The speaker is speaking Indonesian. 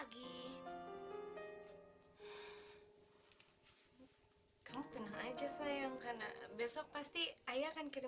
bu ada titipan untuk santi